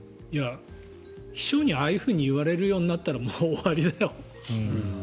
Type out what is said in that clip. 秘書にああいうふうに言われるようになったらもう終わりだよ。